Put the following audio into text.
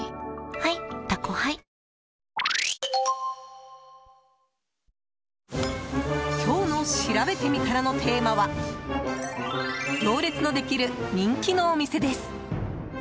ハイ「タコハイ」今日のしらべてみたらのテーマは行列のできる人気のお店です。